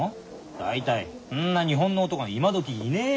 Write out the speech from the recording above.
大体んな日本の男今どきいねえよ。